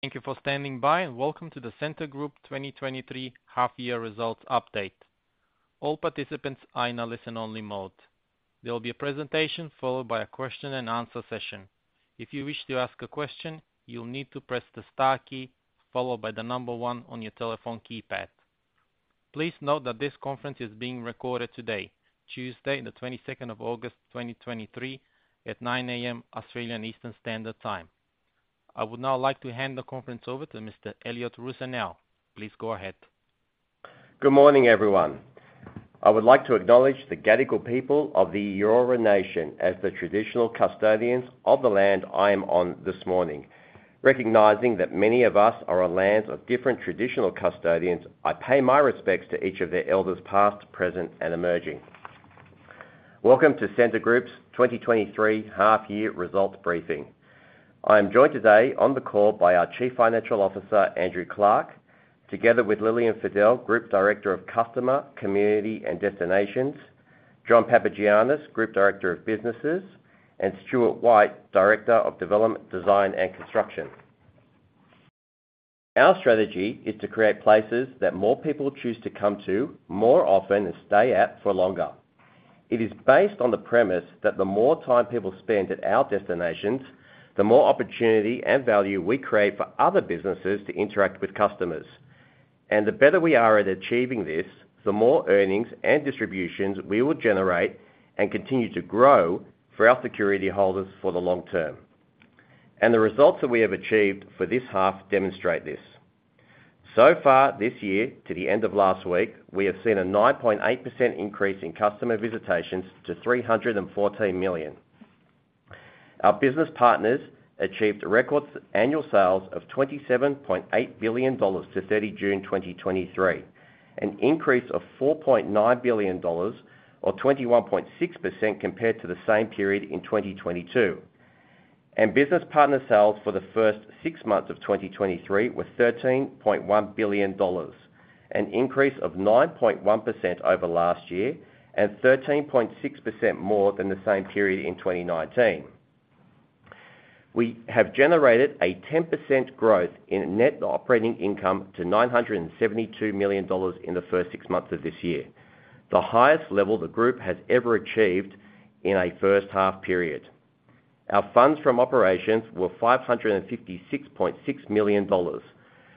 Thank you for standing by, and welcome to the Scentre Group 2023 half year results update. All participants are in a listen-only mode. There will be a presentation followed by a question and answer session. If you wish to ask a question, you'll need to press the star key followed by 1 on your telephone keypad. Please note that this conference is being recorded today, Tuesday, the 22nd of August, 2023, at 9:00 A.M. Australian Eastern Standard Time. I would now like to hand the conference over to Mr. Elliott Rusanow. Please go ahead. Good morning, everyone. I would like to acknowledge the Gadigal people of the Eora Nation as the traditional custodians of the land I am on this morning. Recognizing that many of us are on lands of different traditional custodians, I pay my respects to each of their elders, past, present, and emerging. Welcome to Scentre Group's 2023 half year results briefing. I am joined today on the call by our Chief Financial Officer, Andrew Clarke, together with Lillian Fadel, Group Director of Customer, Community, and Destinations, John Papagiannis, Group Director of Businesses, and Stewart White, Director of Development, Design, and Construction. Our strategy is to create places that more people choose to come to more often and stay at for longer. It is based on the premise that the more time people spend at our destinations, the more opportunity and value we create for other businesses to interact with customers. The better we are at achieving this, the more earnings and distributions we will generate and continue to grow for our security holders for the long term. The results that we have achieved for this half demonstrate this. So far this year, to the end of last week, we have seen a 9.8% increase in customer visitations to 314 million. Our business partners achieved record annual sales of 27.8 billion dollars to June 30, 2023, an increase of 4.9 billion dollars or 21.6% compared to the same period in 2022. Business partner sales for the first six months of 2023 were 13.1 billion dollars, an increase of 9.1% over last year and 13.6% more than the same period in 2019. We have generated a 10% growth in Net Operating Income to 972 million dollars in the first six months of this year, the highest level the group has ever achieved in a first half period. Our Funds From Operations were 556.6 million dollars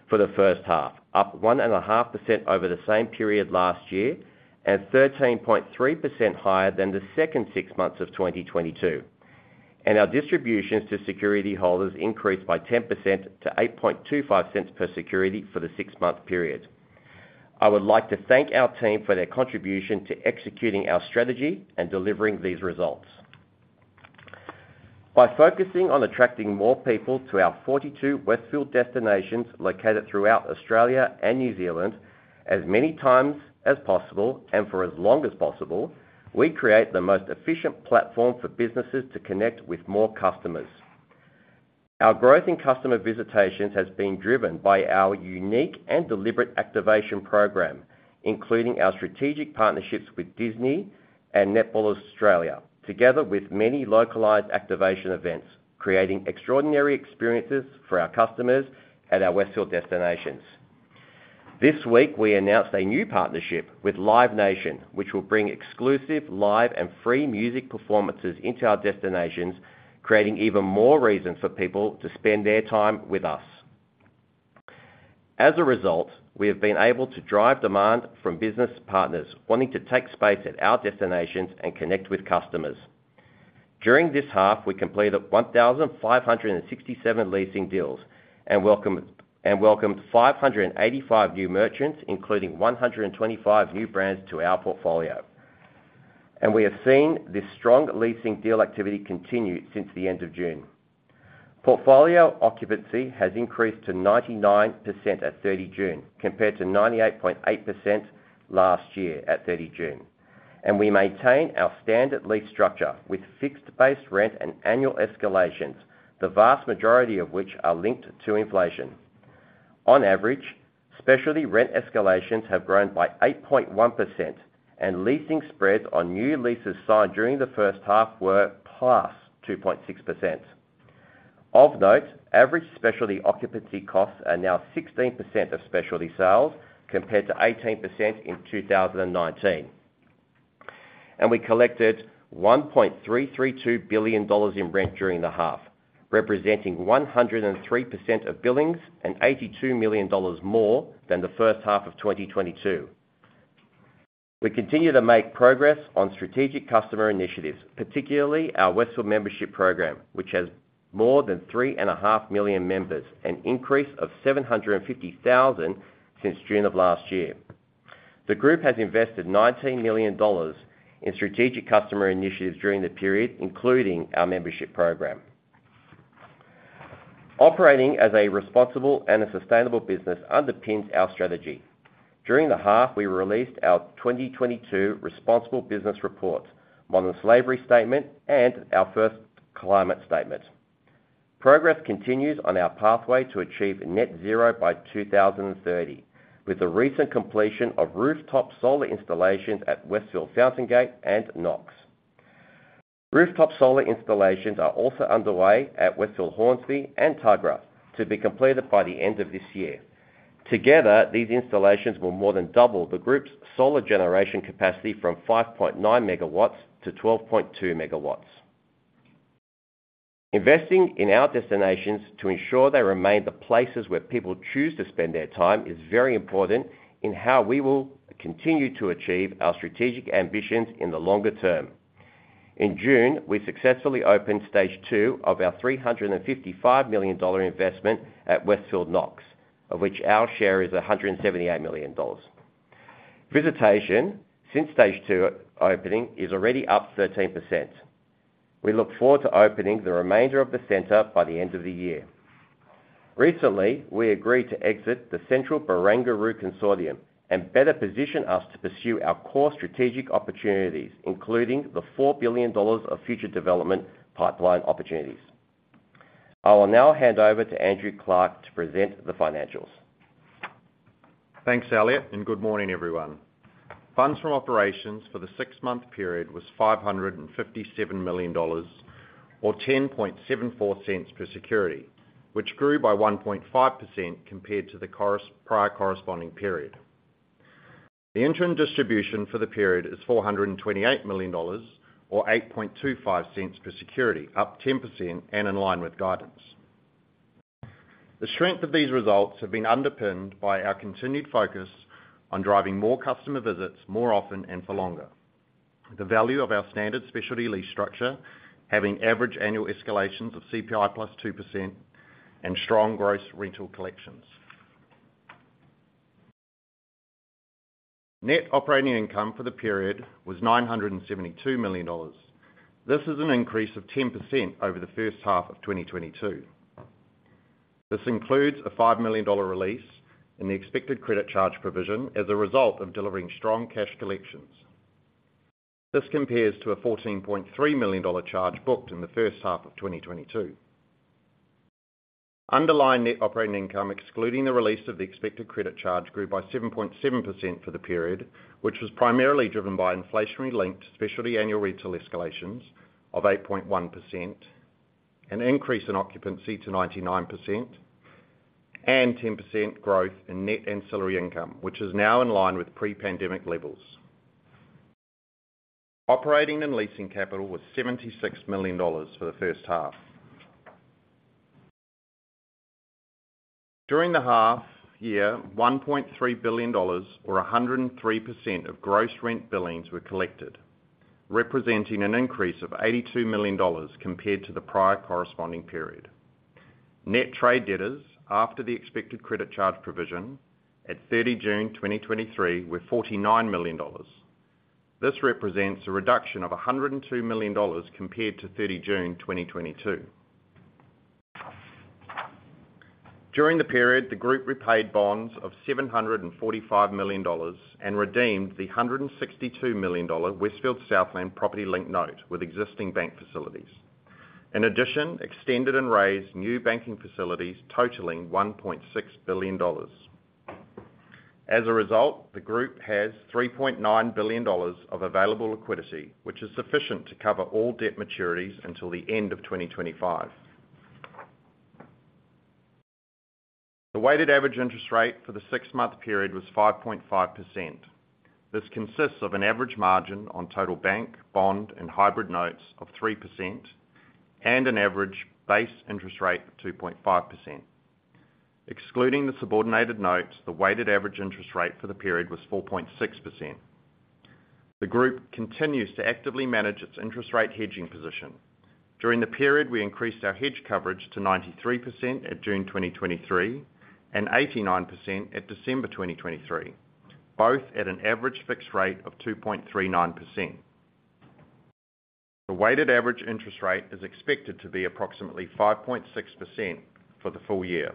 for the first half, up 1.5% over the same period last year, and 13.3% higher than the second six months of 2022. Our distributions to security holders increased by 10% to 0.0825 per security for the six-month period. I would like to thank our team for their contribution to executing our strategy and delivering these results. By focusing on attracting more people to our 42 Westfield destinations located throughout Australia and New Zealand as many times as possible, and for as long as possible, we create the most efficient platform for businesses to connect with more customers. Our growth in customer visitations has been driven by our unique and deliberate activation program, including our strategic partnerships with Disney and Netball Australia, together with many localized activation events, creating extraordinary experiences for our customers at our Westfield destinations. This week, we announced a new partnership with Live Nation, which will bring exclusive, live, and free music performances into our destinations, creating even more reasons for people to spend their time with us. As a result, we have been able to drive demand from business partners wanting to take space at our destinations and connect with customers. During this half, we completed 1,567 leasing deals and welcomed 585 new merchants, including 125 new brands to our portfolio. We have seen this strong leasing deal activity continue since the end of June. Portfolio occupancy has increased to 99% at 30 June, compared to 98.8% last year at 30 June. We maintain our standard lease structure with fixed-based rent and annual escalations, the vast majority of which are linked to inflation. On average, specialty rent escalations have grown by 8.1%, and leasing spreads on new leases signed during the first half were +2.6%. Of note, average specialty occupancy costs are now 16% of specialty sales, compared to 18% in 2019. We collected 1.332 billion dollars in rent during the half, representing 103% of billings and 82 million dollars more than the first half of 2022. We continue to make progress on strategic customer initiatives, particularly our Westfield membership program, which has more than 3.5 million members, an increase of 750,000 since June of last year. The group has invested AUD 19 million in strategic customer initiatives during the period, including our membership program. Operating as a responsible and a sustainable business underpins our strategy. During the half, we released our 2022 Responsible Business Report, Modern Slavery Statement, and our first Climate Statement. Progress continues on our pathway to achieve net zero by 2030, with the recent completion of rooftop solar installations at Westfield Fountain Gate and Knox. Rooftop solar installations are also underway at Westfield Hornsby and Tuggerah to be completed by the end of this year. Together, these installations will more than double the group's solar generation capacity from 5.9 MW to 12.2 MW. Investing in our destinations to ensure they remain the places where people choose to spend their time is very important in how we will continue to achieve our strategic ambitions in the longer term. In June, we successfully opened stage two of our 355 million dollar investment at Westfield Knox, of which our share is 178 million dollars. Visitation since stage two opening is already up 13%. We look forward to opening the remainder of the center by the end of the year. Recently, we agreed to exit the Central Barangaroo Consortium and better position us to pursue our core strategic opportunities, including the 4 billion dollars of future development pipeline opportunities. I will now hand over to Andrew Clarke to present the financials. Thanks, Elliott, good morning, everyone. Funds From Operations for the six-month period was $557 million, or $0.1074 per security, which grew by 1.5% compared to the prior corresponding period. The interim distribution for the period is $428 million, or $0.0825 per security, up 10% and in line with guidance. The strength of these results have been underpinned by our continued focus on driving more customer visits more often and for longer. The value of our standard specialty lease structure, having average annual escalations of CPI plus 2% and strong gross rental collections. Net Operating Income for the period was $972 million. This is an increase of 10% over the first half of 2022. This includes an 5 million dollar release and the Expected Credit Charge provision as a result of delivering strong cash collections. This compares to an 14.3 million dollar charge booked in the first half of 2022. Underlying Net Operating Income, excluding the release of the Expected Credit Charge, grew by 7.7% for the period, which was primarily driven by inflationary linked specialty annual retail escalations of 8.1%, an increase in occupancy to 99%, and 10% growth in net ancillary income, which is now in line with pre-pandemic levels. Operating and leasing capital was 76 million dollars for the first half. During the half year, 1.3 billion dollars or 103% of gross rent billings were collected, representing an increase of 82 million dollars compared to the prior corresponding period. Net trade debtors, after the Expected Credit Charge provision at 30 June 2023, were 49 million dollars. This represents a reduction of 102 million dollars compared to 30 June 2022. During the period, the group repaid bonds of 745 million dollars and redeemed the 162 million dollar Westfield Southland Property Linked Note with existing bank facilities. Extended and raised new banking facilities totaling 1.6 billion dollars. As a result, the group has 3.9 billion dollars of available liquidity, which is sufficient to cover all debt maturities until the end of 2025. The weighted average interest rate for the six-month period was 5.5%. This consists of an average margin on total bank, bond, and hybrid notes of 3% and an average base interest rate of 2.5%. Excluding the subordinated notes, the weighted average interest rate for the period was 4.6%. The group continues to actively manage its interest rate hedging position. During the period, we increased our hedge coverage to 93% at June 2023, and 89% at December 2023, both at an average fixed rate of 2.39%. The weighted average interest rate is expected to be approximately 5.6% for the full year.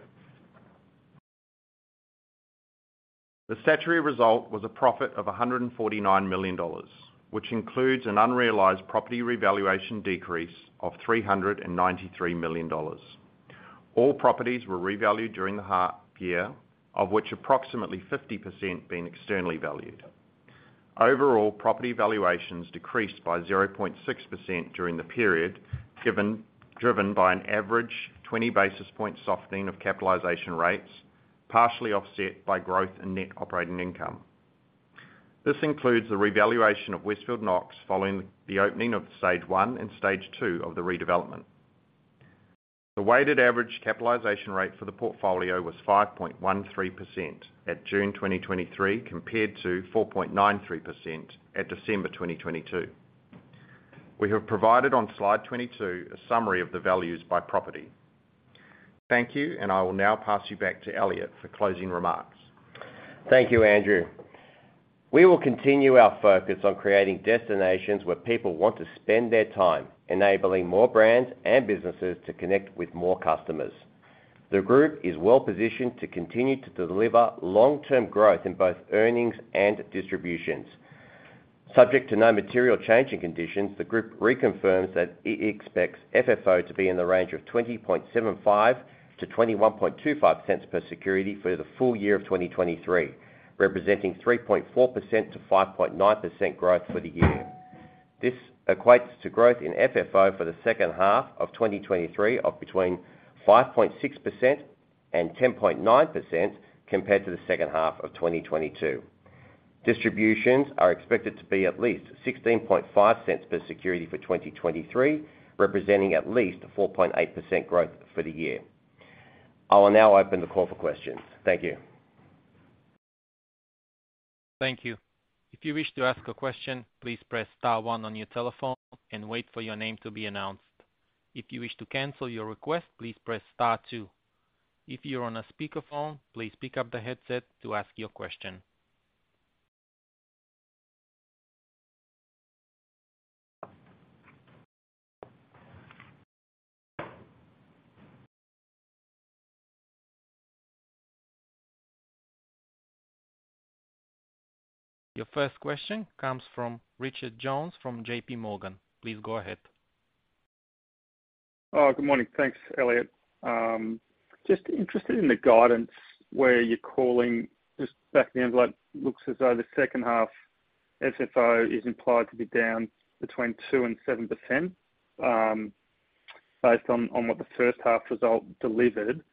The statutory result was a profit of $149 million, which includes an unrealized property revaluation decrease of $393 million. All properties were revalued during the half year, of which approximately 50% being externally valued. Overall, property valuations decreased by 0.6% during the period, driven by an average 20 basis point softening of capitalization rates, partially offset by growth in Net Operating Income. This includes the revaluation of Westfield Knox following the opening of stage one and stage two of the redevelopment. The weighted average capitalization rate for the portfolio was 5.13% at June 2023, compared to 4.93% at December 2022. We have provided on slide 22 a summary of the values by property. Thank you. I will now pass you back to Elliott for closing remarks. Thank you, Andrew. We will continue our focus on creating destinations where people want to spend their time, enabling more brands and businesses to connect with more customers. The group is well-positioned to continue to deliver long-term growth in both earnings and distributions. Subject to no material changing conditions, the group reconfirms that it expects FFO to be in the range of 0.2075-0.2125 per security for the full year of 2023, representing 3.4%-5.9% growth for the year. This equates to growth in FFO for the second half of 2023 of between 5.6% and 10.9% compared to the second half of 2022. Distributions are expected to be at least 0.165 per security for 2023, representing at least a 4.8% growth for the year. I will now open the call for questions. Thank you. Thank you. If you wish to ask a question, please press star one on your telephone and wait for your name to be announced. If you wish to cancel your request, please press star two. If you're on a speakerphone, please pick up the headset to ask your question. Your first question comes from Richard Jones from JPMorgan. Please go ahead. Good morning. Thanks, Elliot. Just interested in the guidance where you're calling, just back the envelope, looks as though the second half FFO is implied to be down between 2% and 7%, based on what the first half result delivered.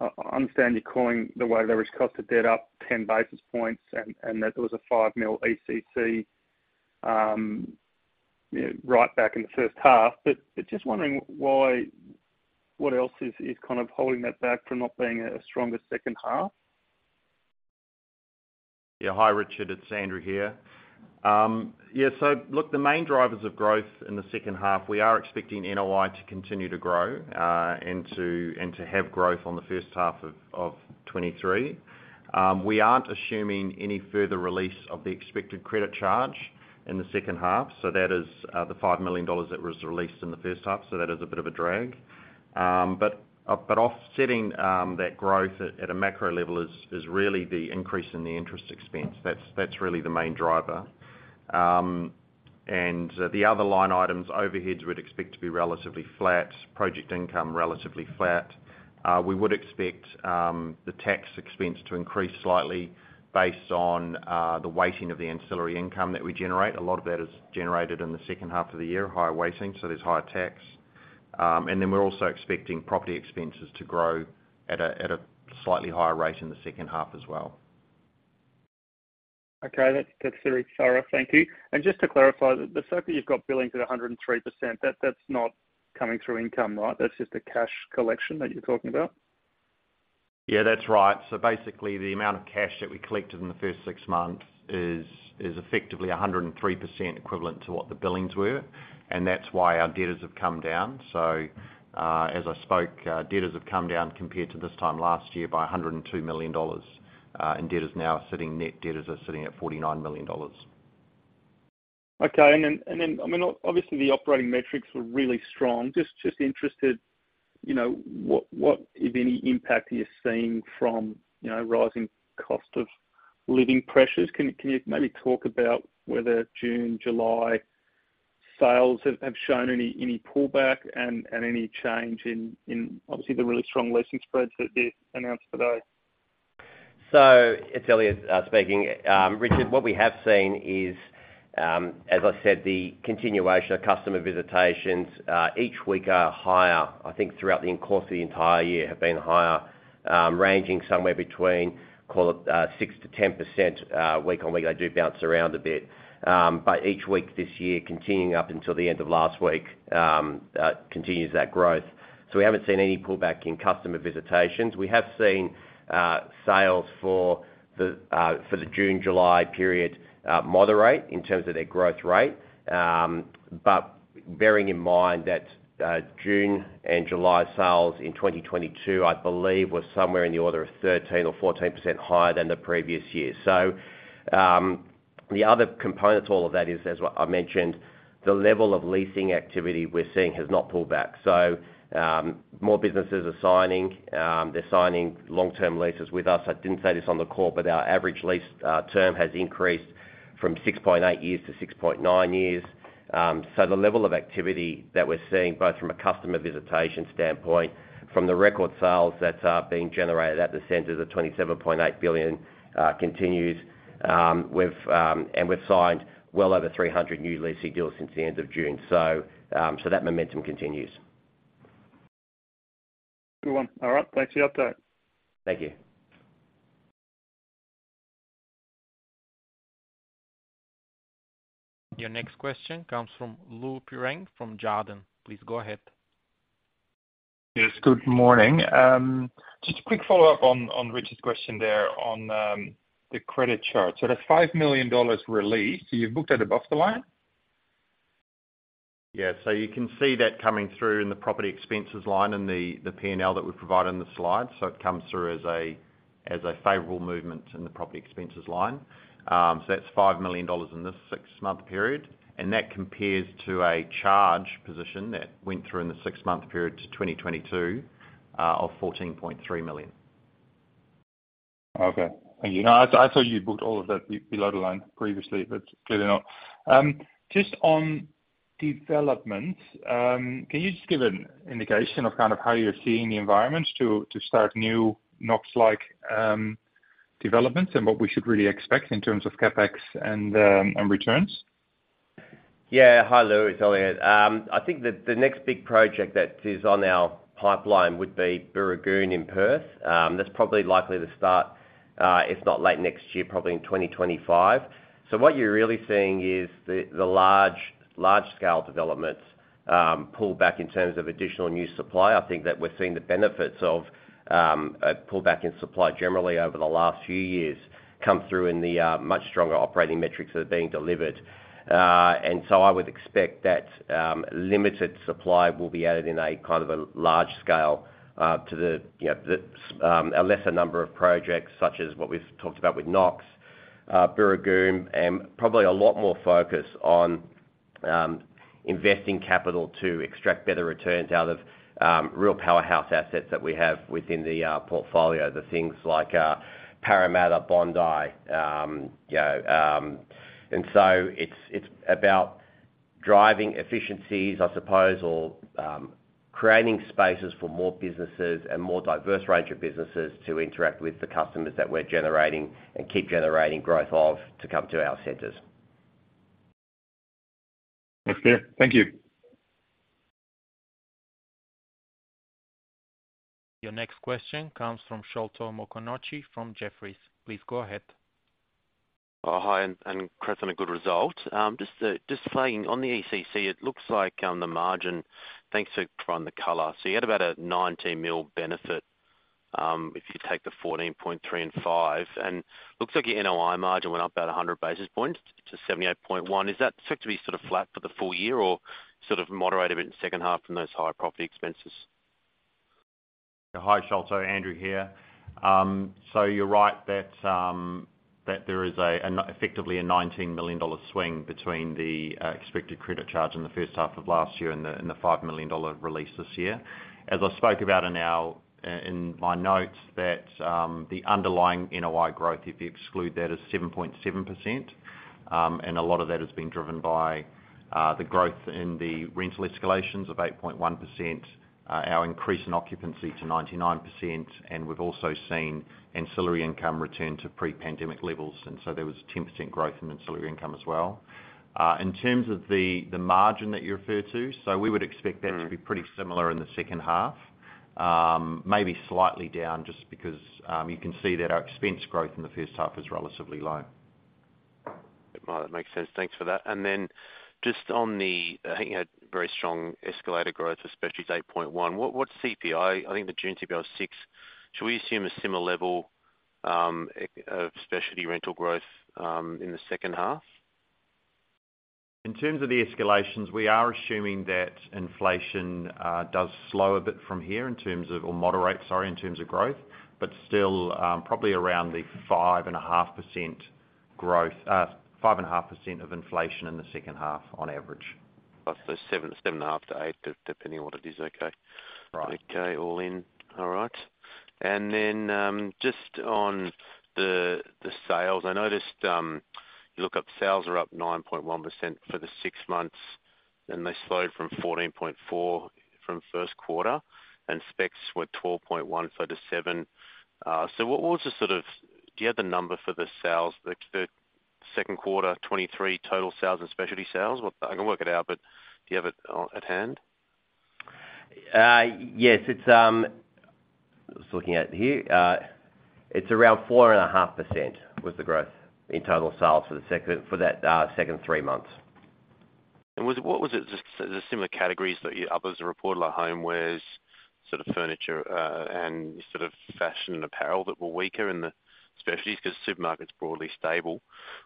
I understand you're calling the weighted average cost of debt up 10 basis points, and that there was a 5 million ECC, you know, right back in the first half. Just wondering why what else is kind of holding that back from not being a stronger second half? Yeah. Hi, Richard Jones, it's Andrew Clarke here. Yeah, look, the main drivers of growth in the second half, we are expecting NOI to continue to grow and to, and to have growth on the first half of 2023. We aren't assuming any further release of the Expected Credit Charge in the second half, so that is the 5 million dollars that was released in the first half, so that is a bit of a drag. Offsetting that growth at a macro level is really the increase in the interest expense. That's, that's really the main driver. The other line items, overheads, we'd expect to be relatively flat, project income, relatively flat. We would expect the tax expense to increase slightly based on the weighting of the ancillary income that we generate. A lot of that is generated in the second half of the year, higher weighting, so there's higher tax. Then we're also expecting property expenses to grow at a, at a slightly higher rate in the second half as well. Okay. That, that's very thorough. Thank you. Just to clarify, the circle you've got billings at 103%, that's not coming through income, right? That's just a cash collection that you're talking about? Yeah, that's right. Basically, the amount of cash that we collected in the first six months is effectively 103% equivalent to what the billings were, and that's why our debtors have come down. As I spoke, debtors have come down compared to this time last year by 102 million dollars, and net debtors are sitting at 49 million dollars. Okay. Then, and then, I mean, obviously, the operating metrics were really strong. Just, just interested, you know, what, what, if any, impact are you seeing from, you know, rising cost of living pressures? Can, can you maybe talk about whether June, July sales have, have shown any, any pullback and, and any change in, in obviously the really strong leasing spreads that you announced today? It's Elliott speaking. Richard, what we have seen is, as I said, the continuation of customer visitations each week are higher. I think throughout the course of the entire year have been higher, ranging somewhere between, call it, 6%-10% week on week. They do bounce around a bit. But each week this year, continuing up until the end of last week, continues that growth. We haven't seen any pullback in customer visitations. We have seen sales for the June, July period moderate in terms of their growth rate. But bearing in mind that June and July sales in 2022, I believe, were somewhere in the order of 13% or 14% higher than the previous year. The other component to all of that is, as I mentioned, the level of leasing activity we're seeing has not pulled back. More businesses are signing. They're signing long-term leases with us. I didn't say this on the call, but our average lease term has increased from 6.8 years to 6.9 years. The level of activity that we're seeing, both from a customer visitation standpoint, from the record sales that are being generated at the center, the 27.8 billion, continues. We've signed well over 300 new leasing deals since the end of June. That momentum continues. Good one. All right, thanks for your update. Thank you. Your next question comes from Lou Pirenc from Jarden. Please go ahead. Yes, good morning. Just a quick follow-up on Richard's question there on the credit chart. The 5 million dollars released, you've booked at above the line? You can see that coming through in the property expenses line and the P&L that we provide on the slide. It comes through as a favorable movement in the property expenses line. That's 5 million dollars in this six-month period, and that compares to a charge position that went through in the six-month period to 2022 of 14.3 million. Okay. Thank you. Now, I, I thought you booked all of that b- below the line previously, but clearly not. Just on development, can you just give an indication of kind of how you're seeing the environment to, to start new Knox-like.... developments and what we should really expect in terms of CapEx and, and returns? Yeah. Hi, Lou, it's Elliott. I think that the next big project that is on our pipeline would be Booragoon in Perth. That's probably likely to start, if not late next year, probably in 2025. What you're really seeing is the, the large, large scale developments, pull back in terms of additional new supply. I think that we're seeing the benefits of a pullback in supply generally over the last few years come through in the much stronger operating metrics that are being delivered. I would expect that limited supply will be added in a kind of a large scale to the, you know, a lesser number of projects, such as what we've talked about with Knox, Booragoon, and probably a lot more focus on investing capital to extract better returns out of real powerhouse assets that we have within the portfolio, the things like Parramatta, Bondi. You know, it's, it's about driving efficiencies, I suppose, or creating spaces for more businesses and more diverse range of businesses to interact with the customers that we're generating and keep generating growth of, to come to our centers. That's clear. Thank you. Your next question comes from Sholto Maconochie from Jefferies. Please go ahead. Oh, hi, and congrats on a good result. Just playing on the ECC, it looks like the margin. Thanks for providing the color. You had about a 19 million benefit, if you take the 14.3 million and 5 million. Looks like your NOI margin went up about 100 basis points to 78.1%. Is that set to be sort of flat for the full year, or sort of moderate a bit in the second half from those higher property expenses? Hi, Sholto, Andrew Clarke here. You're right that effectively an 19 million dollar swing between the Expected Credit Charge in the first half of last year and the 5 million dollar release this year. As I spoke about in our in my notes, that the underlying NOI growth, if you exclude that, is 7.7%. A lot of that has been driven by the growth in the rental escalations of 8.1%, our increase in occupancy to 99%, and we've also seen ancillary income return to pre-pandemic levels, there was a 10% growth in ancillary income as well. In terms of the margin that you referred to, we would expect- Mm. that to be pretty similar in the second half. Maybe slightly down, just because, you can see that our expense growth in the first half is relatively low. Well, that makes sense. Thanks for that. Then just on the, I think you had very strong escalator growth, especially 8.1. What, what's CPI? I think the June CPI was six. Should we assume a similar level, specialty rental growth, in the second half? In terms of the escalations, we are assuming that inflation does slow a bit from here or moderate, sorry, in terms of growth. Still, probably around the 5.5% growth, 5.5% of inflation in the second half on average. 7, 7.5 to 8, depending on what it is. Okay. Right. Okay. All in. All right. Just on the, the sales, I noticed, you look up, sales are up 9.1% for the six months, and they slowed from 14.4 from first quarter, and specs were 12.1 for the seven. What, what's the sort of... Do you have the number for the sales, the, the second quarter, 2023 total sales and specialty sales? What, I can work it out, but do you have it, at hand? Yes, it's... I was looking at it here. It's around 4.5%, was the growth in total sales for the second, for that, second three months. Was, what was it, just the similar categories that others reported, like homewares, sort of furniture, and sort of fashion and apparel that were weaker in the specialties, 'cause supermarket's broadly stable.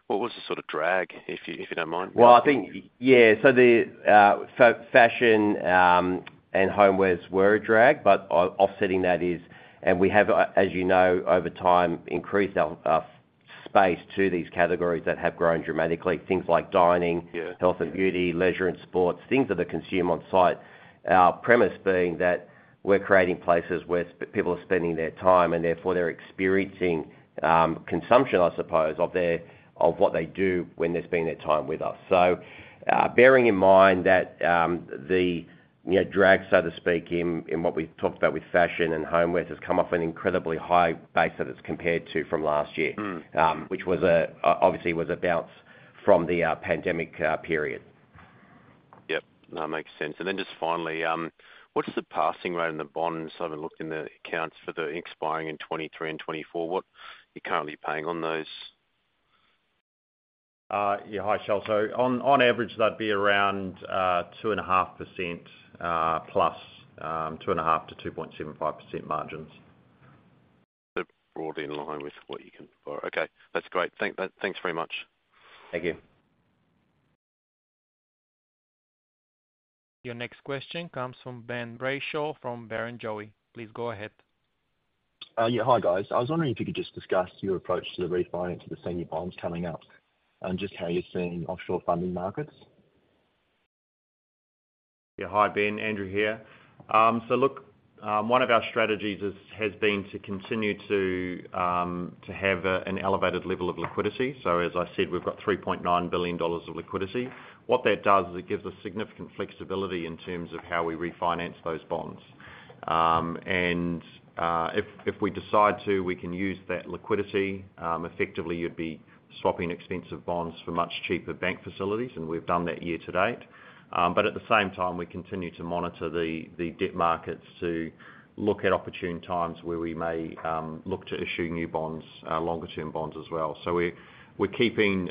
What was the sort of drag, if you, if you don't mind? I think, yeah, fashion, and homewares were a drag, but offsetting that is, and we have, as you know, over time, increased our, our space to these categories that have grown dramatically. Things like dining… Yeah... health and beauty, leisure and sports, things that are consumed on site. Our premise being that we're creating places where people are spending their time, and therefore, they're experiencing, consumption, I suppose, of their, of what they do when they're spending their time with us. Bearing in mind that, the, you know, drag, so to speak, in, in what we've talked about with fashion and homewares, has come off an incredibly high base that it's compared to from last year. Mm. Which was a, obviously was a bounce from the, pandemic, period. Yep. That makes sense. Then just finally, what's the passing rate on the bonds? I've been looking in the accounts for the expiring in 2023 and 2024. What you're currently paying on those? Yeah, hi, Sholto. On, on average, that'd be around 2.5% plus 2.5%-2.75% margins. Broadly in line with what you can borrow. Okay, that's great. Thanks very much. Thank you. Your next question comes from Ben Brayshaw, from Barrenjoey. Please go ahead. Yeah, hi, guys. I was wondering if you could just discuss your approach to the refinance of the senior bonds coming up, and just how you're seeing offshore funding markets?... Yeah, hi, Ben. Andrew here. Look, one of our strategies is, has been to continue to, to have a, an elevated level of liquidity. As I said, we've got 3.9 billion dollars of liquidity. What that does is it gives us significant flexibility in terms of how we refinance those bonds. If, if we decide to, we can use that liquidity. Effectively, you'd be swapping expensive bonds for much cheaper bank facilities, and we've done that year to date. At the same time, we continue to monitor the, the debt markets to look at opportune times where we may, look to issue new bonds, longer term bonds as well. We- we're keeping,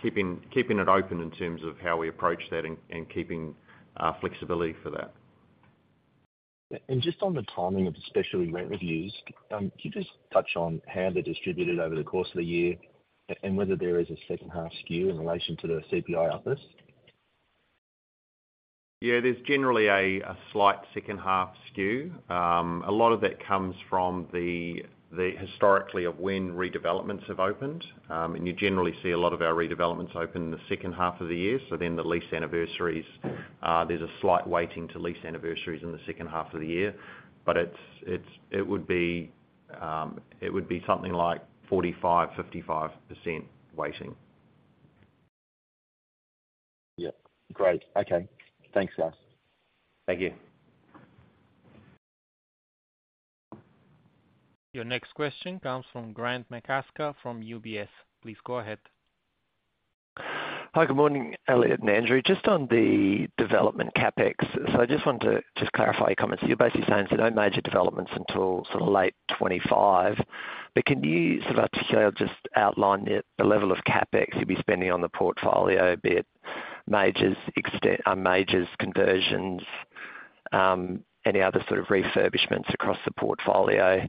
keeping, keeping it open in terms of how we approach that and, and keeping flexibility for that. Just on the timing of especially rent reviews, can you just touch on how they're distributed over the course of the year, and whether there is a second half skew in relation to the CPI upwards? Yeah, there's generally a, a slight second half skew. A lot of that comes from the, the historically of when redevelopments have opened. You generally see a lot of our redevelopments open in the second half of the year. Then the lease anniversaries, there's a slight weighting to lease anniversaries in the second half of the year, but it's, it would be something like 45%, 55% weighting. Yeah. Great. Okay. Thanks, guys. Thank you. Your next question comes from Grant McCasker from UBS. Please go ahead. Hi, good morning, Elliott and Andrew. Just on the development CapEx. I just wanted to just clarify your comments. You're basically saying no major developments until sort of late 2025. Can you sort of just outline the level of CapEx you'll be spending on the portfolio, be it majors, conversions, any other sort of refurbishments across the portfolio?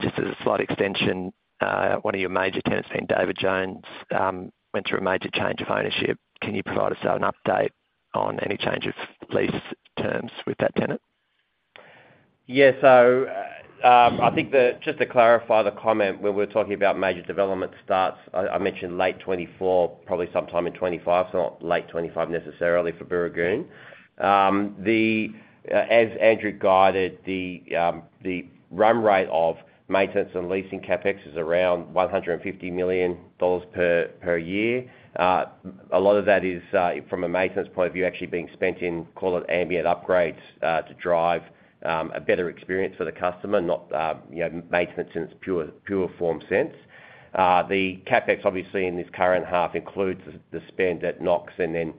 Just as a slight extension, one of your major tenants being David Jones went through a major change of ownership. Can you provide us an update on any change of lease terms with that tenant? Yeah. I think that just to clarify the comment, when we're talking about major development starts, I, I mentioned late 2024, probably sometime in 2025, not late 2025 necessarily for Booragoon. The, as Andrew guided, the run rate of maintenance and leasing CapEx is around 150 million dollars per year. A lot of that is, from a maintenance point of view, actually being spent in, call it ambient upgrades, to drive a better experience for the customer, not, you know, maintenance in its pure, pure form sense. The CapEx, obviously, in this current half, includes the, the spend at Knox and then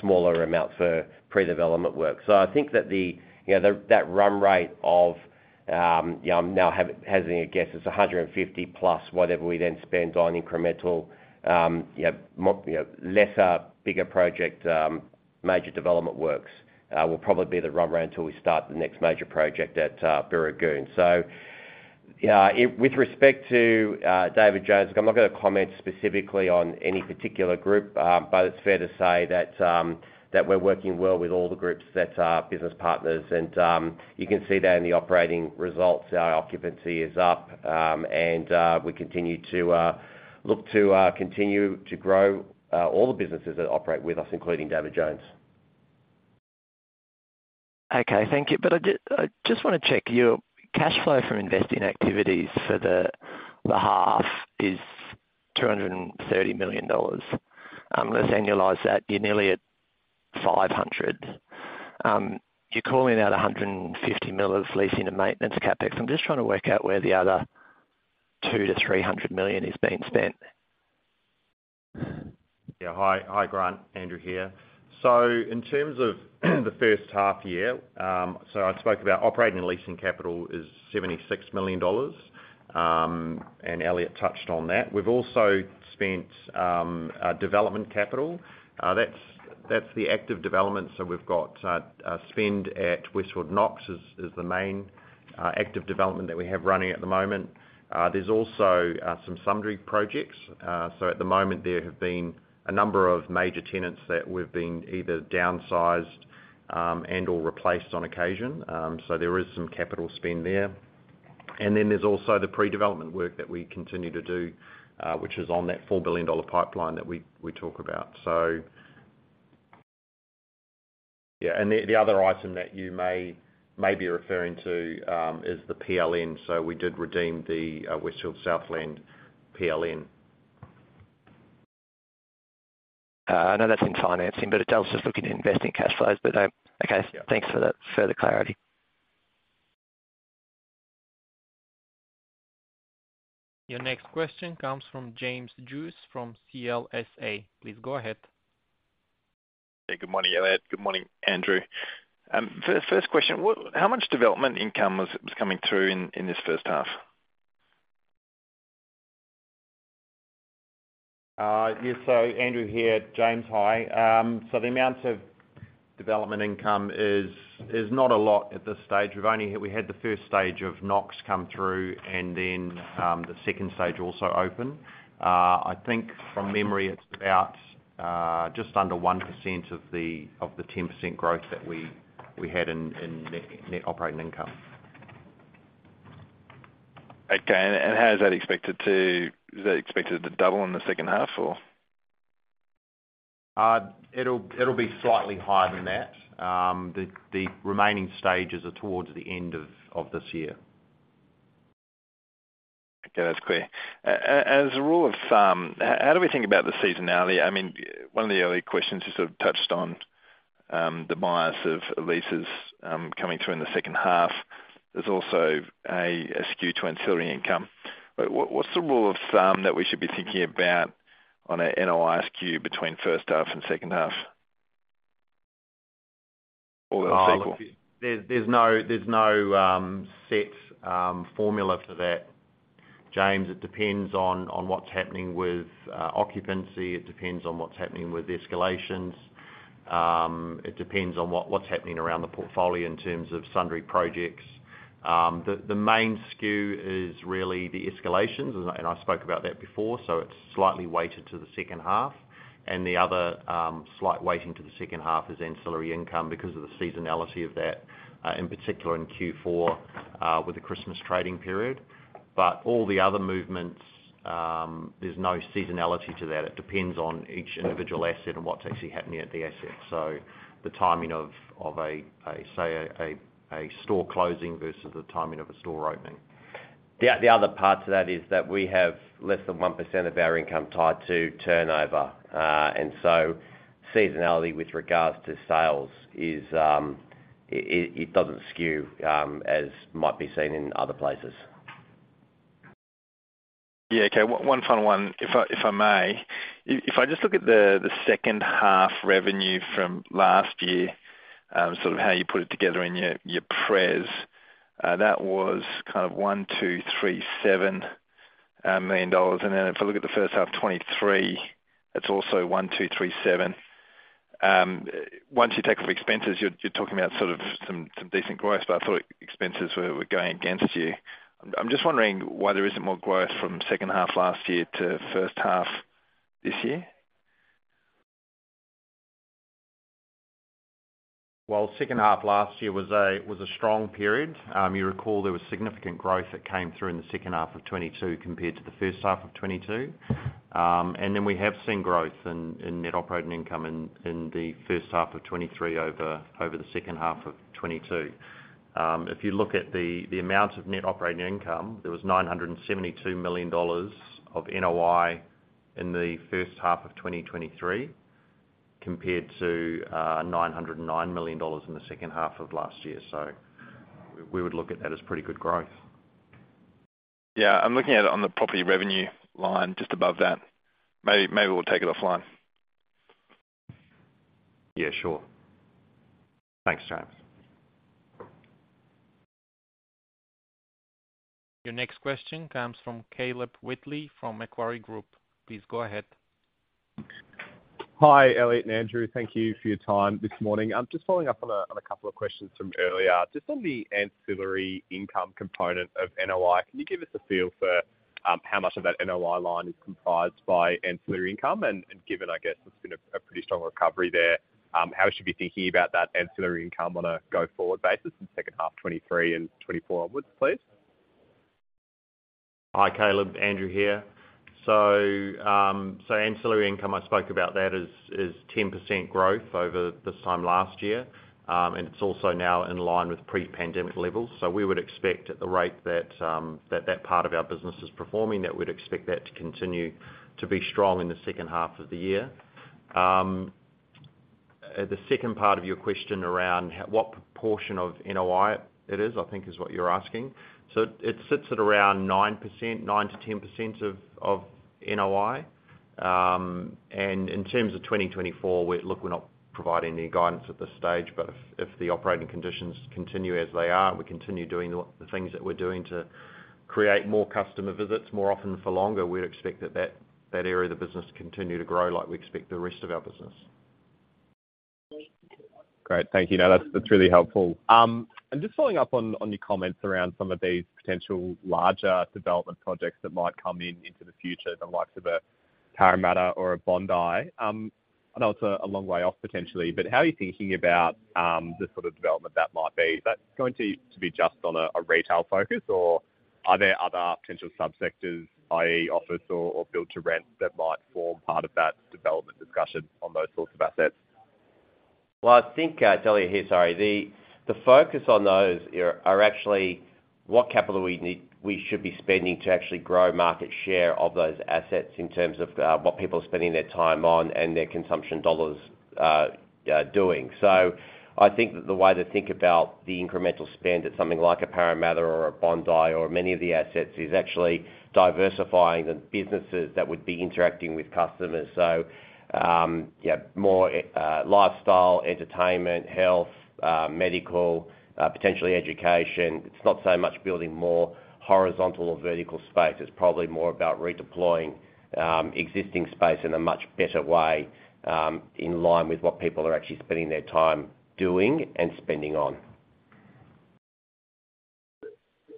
smaller amounts for pre-development work. I think that the, you know, the, that run rate of, yeah, I'm now hazarding a guess, it's 150 plus whatever we then spend on incremental, you know, lesser, bigger project, major development works, will probably be the run rate until we start the next major project at Booragoon. With respect to David Jones, I'm not going to comment specifically on any particular group, but it's fair to say that, that we're working well with all the groups that are business partners. You can see that in the operating results, our occupancy is up, and we continue to look to continue to grow all the businesses that operate with us, including David Jones. Okay, thank you. I just want to check, your cash flow from investing activities for the, the half is 230 million dollars. Let's annualize that, you're nearly at 500 million. You're calling out 150 million of leasing and maintenance CapEx. I'm just trying to work out where the other 200 million-300 million is being spent. Yeah. Hi, hi, Grant. Andrew here. In terms of the first half year, I spoke about operating and leasing capital is 76 million dollars, and Elliot touched on that. We've also spent a development capital. That's, that's the active development, so we've got a spend at Westfield Knox is, is the main active development that we have running at the moment. There's also some sundry projects. At the moment, there have been a number of major tenants that we've been either downsized, and/or replaced on occasion. There is some capital spend there. Then there's also the pre-development work that we continue to do, which is on that 4 billion dollar pipeline that we, we talk about. Yeah, the other item that you may be referring to, is the PLN. We did redeem the Westfield Southland PLN. I know that's in financing, but I was just looking at investing cash flows. Okay. Yeah. Thanks for that further clarity. Your next question comes from James Druce from CLSA. Please go ahead. Hey, good morning, Elliott. Good morning, Andrew. First, first question, how much development income was, was coming through in, in this first half? Yes, Andrew here. James, hi. The amount of development income is not a lot at this stage. We've only we had the first stage of Westfield Knox come through and then the second stage also open. I think from memory, it's about just under 1% of the 10% growth that we had in Net Operating Income. Okay, and how is that expected to double in the second half, or? It'll, it'll be slightly higher than that. The, the remaining stages are towards the end of, of this year. Okay, that's clear. As a rule of thumb, how do we think about the seasonality? I mean, one of the early questions you sort of touched on, the bias of leases, coming through in the second half. There's also a skew to ancillary income. What's the rule of thumb that we should be thinking about on a NOI skew between first half and second half? They're equal. There, there's no, there's no set formula for that, James. It depends on, on what's happening with occupancy. It depends on what's happening with escalations. It depends on what, what's happening around the portfolio in terms of sundry projects. The, the main skew is really the escalations, and, and I spoke about that before, so it's slightly weighted to the second half. The other, slight weighting to the second half is ancillary income because of the seasonality of that, in particular in Q4, with the Christmas trading period. All the other movements, there's no seasonality to that. It depends on each individual asset and what's actually happening at the asset. So the timing of, of a, a, say, a, a, a store closing versus the timing of a store opening. The other part to that is that we have less than 1% of our income tied to turnover. And so seasonality with regards to sales is, it doesn't skew as might be seen in other places. Yeah, okay. One, one final one, if I, if I may. If, if I just look at the, the second half revenue from last year, sort of how you put it together in your, your pres, that was kind of 1,237 million dollars. If I look at the first half 2023, that's also 1,237. Once you take off expenses, you're, you're talking about sort of some, some decent growth, but I thought expenses were, were going against you. I'm, I'm just wondering why there isn't more growth from second half last year to first half this year? Well, second half last year was a, was a strong period. You recall there was significant growth that came through in the second half of 2022, compared to the first half of 2022. We have seen growth in Net Operating Income in the first half of 2023 over the second half of 2022. If you look at the amount of Net Operating Income, there was 972 million dollars of NOI in the first half of 2023, compared to 909 million dollars in the second half of last year. We would look at that as pretty good growth. Yeah, I'm looking at it on the property revenue line, just above that. Maybe, maybe we'll take it offline. Yeah, sure. Thanks, James. Your next question comes from Caleb Wheatley from Macquarie Group. Please go ahead. Hi, Elliott and Andrew. Thank you for your time this morning. I'm just following up on a couple of questions from earlier. Just on the ancillary income component of NOI, can you give us a feel for how much of that NOI line is comprised by ancillary income? Given, I guess, it's been a pretty strong recovery there, how should we be thinking about that ancillary income on a go-forward basis in second half 2023 and 2024 onwards, please? Hi, Caleb, Andrew here. Ancillary income, I spoke about that, is, is 10% growth over this time last year. It's also now in line with pre-pandemic levels. We would expect, at the rate that, that, that part of our business is performing, that we'd expect that to continue to be strong in the second half of the year. The second part of your question around what proportion of NOI it is, I think is what you're asking. It sits at around 9%, 9%-10% of, of NOI. In terms of 2024, we look, we're not providing any guidance at this stage, but if the operating conditions continue as they are, and we continue doing the things that we're doing to create more customer visits more often for longer, we'd expect that area of the business to continue to grow like we expect the rest of our business. Great. Thank you. Now, that's, that's really helpful. Just following up on, on your comments around some of these potential larger development projects that might come in into the future, the likes of a Parramatta or a Bondi, I know it's a, a long way off, potentially, but how are you thinking about, the sort of development that might be? Is that going to, to be just on a, a retail focus, or are there other potential sub-sectors, i.e., office or, or build-to-rent, that might form part of that development discussion on those sorts of assets? Well, I think, Elliott here, sorry. The, the focus on those are, are actually what capital we should be spending to actually grow market share of those assets in terms of what people are spending their time on and their consumption dollars doing. I think that the way to think about the incremental spend at something like a Parramatta or a Bondi or many of the assets, is actually diversifying the businesses that would be interacting with customers. Yeah, more lifestyle, entertainment, health, medical, potentially education. It's not so much building more horizontal or vertical space. It's probably more about redeploying existing space in a much better way in line with what people are actually spending their time doing and spending on.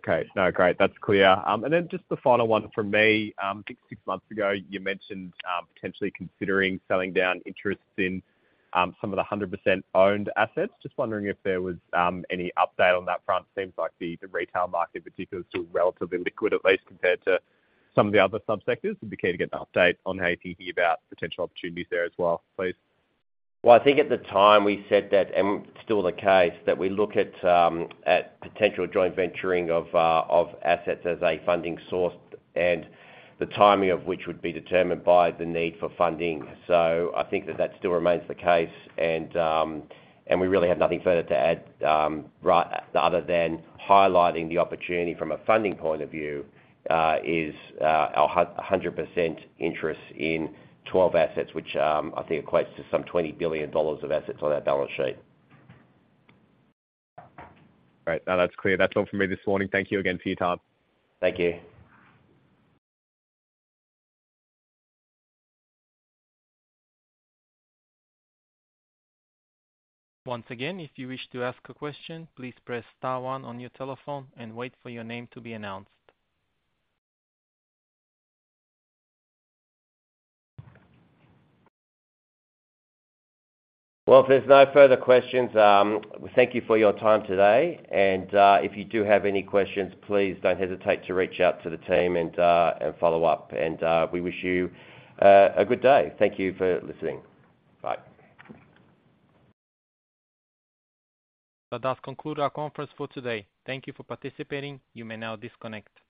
Okay. No, great. That's clear. Then just the final one from me. I think six months ago you mentioned, potentially considering selling down interests in, some of the 100% owned assets. Just wondering if there was, any update on that front? Seems like the, the retail market in particular is still relatively liquid, at least compared to some of the other sub-sectors. It'd be key to get an update on how you're thinking about potential opportunities there as well, please. I think at the time we said that, and it's still the case, that we look at potential joint venturing of assets as a funding source, and the timing of which would be determined by the need for funding. I think that that still remains the case, and we really have nothing further to add other than highlighting the opportunity from a funding point of view is our 100% interest in 12 assets, which I think equates to some 20 billion dollars of assets on our balance sheet. Right. Now, that's clear. That's all for me this morning. Thank you again for your time. Thank you. Once again, if you wish to ask a question, please press star one on your telephone and wait for your name to be announced. Well, if there's no further questions, thank you for your time today, and, if you do have any questions, please don't hesitate to reach out to the team and, and follow up. We wish you, a good day. Thank you for listening. Bye. That does conclude our conference for today. Thank you for participating. You may now disconnect.